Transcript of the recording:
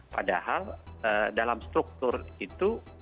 padahal dalam struktur itu